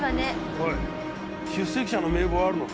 おい出席者の名簿はあるのか？